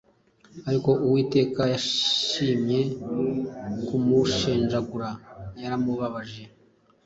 Ariko Uwiteka yashimye kumushenjagura, yaramubabaje,